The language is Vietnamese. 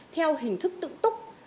theo hình thức tự túc